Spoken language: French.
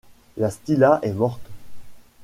La Stilla est morte…